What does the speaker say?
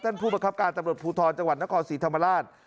ท่านผู้บังคับการณ์ตรวจภูทรจังหวัดนครศรีธรรมราช